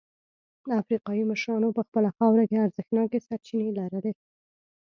افریقايي مشرانو په خپله خاوره کې ارزښتناکې سرچینې لرلې.